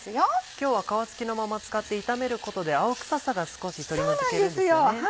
今日は皮付きのまま使って炒めることで青臭さが少し取り除けるんですよね。